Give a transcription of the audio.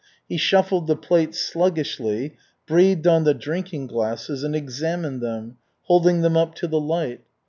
He shuffled the plates sluggishly, breathed on the drinking glasses, and examined them, holding them up to the light.